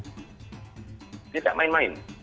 jadi tidak main main